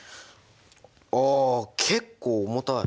あ結構重たい。